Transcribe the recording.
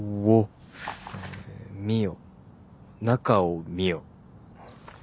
えー「見よ」「中を見よ」